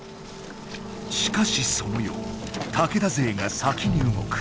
しかしその夜武田勢が先に動く。